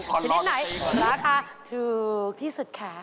ชนิดไหนราคาถูกที่สุดคะ